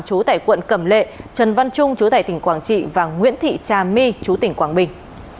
chú tải quận cầm lệ trần văn trung chú tải tỉnh quảng trị và nguyễn thị cha my chú tỉnh quảng bình